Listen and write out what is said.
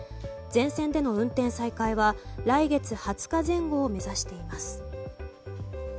全線での運転再開は来月２０日前後を目指しています。